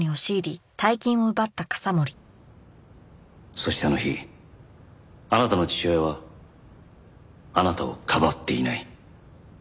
そしてあの日あなたの父親はあなたをかばっていない。